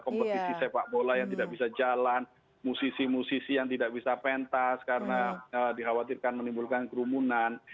kompetisi sepak bola yang tidak bisa jalan musisi musisi yang tidak bisa pentas karena dikhawatirkan menimbulkan kerumunan